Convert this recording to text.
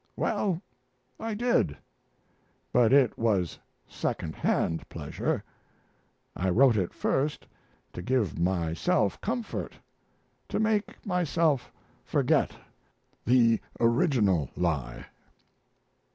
Well, I did, but it was second hand pleasure. I wrote it first to give myself comfort, to make myself forget the original lie.